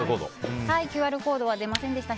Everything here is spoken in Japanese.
ＱＲコードが出ませんでした。